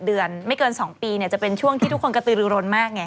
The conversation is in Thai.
เดือนไม่เกินสองปีเนี้ยจะเป็นช่วงที่ทุกคนกระตือรุนมากไง